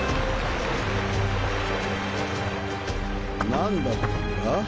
何だったんだ？